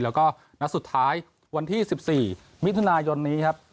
แล้วก็นัดสุดท้ายวันที่๑๔มิถุนายนนี้ครับ